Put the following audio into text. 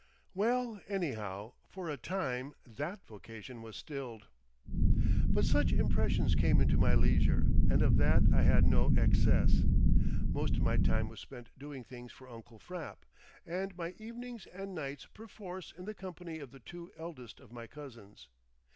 Well, anyhow, for a time that vocation was stilled. But such impressions came into my leisure, and of that I had no excess. Most of my time was spent doing things for Uncle Frapp, and my evenings and nights perforce in the company of the two eldest of my cousins.